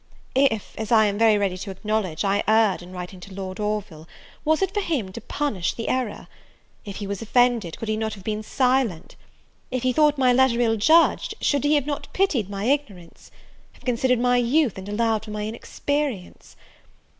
If, as I am very ready to acknowledge, I erred in writing to Lord Orville, was it for him to punish the error? If he was offended, could he not have been silent? If he thought my letter ill judged, should he not have pitied my ignorance? have considered my youth, and allowed for my inexperience?